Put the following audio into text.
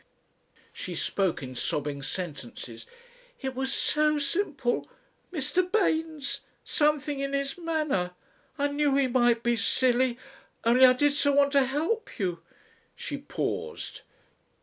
She spoke in sobbing sentences. "It was so simple. Mr. Baynes ... something in his manner ... I knew he might be silly ... Only I did so want to help you." She paused.